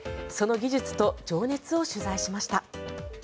その技術と情熱を取材しました。